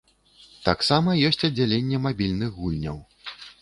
Таксама ёсць аддзяленне мабільных гульняў.